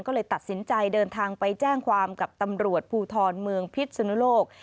ก็เลยตัดสินใจเดินทางไปแจ้งความกับตำรวจภูทรเมืองพิษสุนุโลก